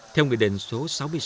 theo nghị định số sáu mươi sáu